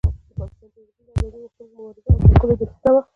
د پاکستان جوړېدل د آزادۍ غوښتونکو مبارزو د ټکولو دسیسه وه.